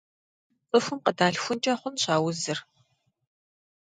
ЦӀыхум къыдалъхункӀэ хъунущ а узыр.